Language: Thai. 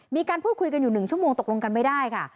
มีการพูดคุยกันอยู่๑ชั่วโมงตกลงกันไม่ได้ค่ะ